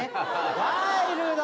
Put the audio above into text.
ワイルド！